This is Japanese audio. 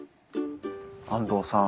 安藤さん。